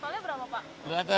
luasan berapa pak total